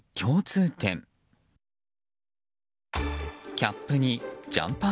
キャップにジャンパー